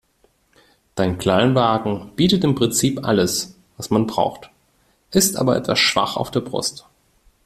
Dein Kleinwagen bietet im Prinzip alles, was man braucht, ist aber etwas schwach auf der Brust.